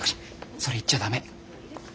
それ言っちゃ駄目。